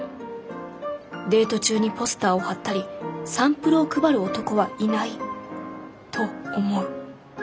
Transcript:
デート中にポスターを貼ったりサンプルを配る男はいない。と思う。